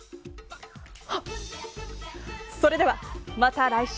それでは、また来週。